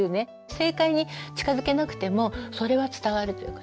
正解に近づけなくてもそれは伝わるということです。